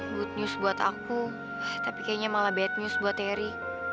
good news buat aku tapi kayaknya malah bad news buat terry